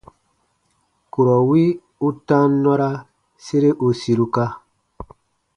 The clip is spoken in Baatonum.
Kurɔ wi u tam nɔra sere u siruka.